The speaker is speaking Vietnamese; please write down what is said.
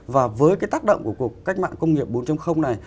và với cái tác động của cuộc cách mạng công nghiệp bốn này